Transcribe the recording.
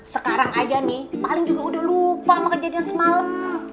sekarang aja nih paling juga udah lupa sama kejadian semalam